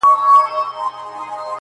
زه وایم داسي وو لکه بې جوابه وي سوالونه.